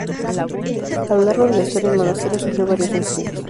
A lo largo de la historia el monasterio sufrió varios incendios.